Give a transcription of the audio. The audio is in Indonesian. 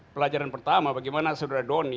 pelajaran pertama bagaimana saudara doni